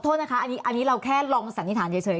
โทษนะคะอันนี้เราแค่ลองสันนิษฐานเฉย